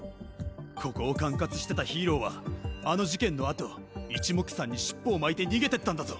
ここを管轄してたヒーローはあの事件の後一目散に尻尾を巻いて逃げてったんだぞ。